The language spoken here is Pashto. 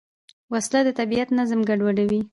وسله د طبیعت نظم ګډوډوي